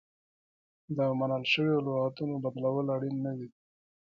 د منل شویو لغتونو بدلول اړین نه دي.